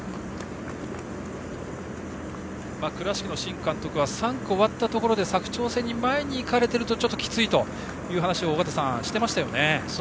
倉敷の新監督は３区が終わったところで佐久長聖に前に行かれているとちょっときついという話をしてましたよね。